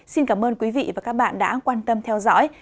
xin cảm ơn quý vị và các bạn đã quan tâm theo dõi